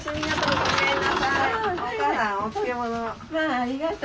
ありがとう。